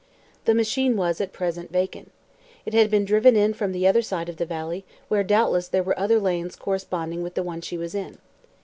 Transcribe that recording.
The machine was at present vacant. It had been driven in from the other side of the valley, where doubtless there were other lanes corresponding with the one she was in.